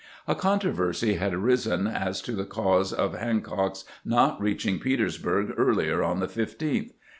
A controversy had arisen as to the cause of Han cock's not reaching Petersburg earlier on the 15th.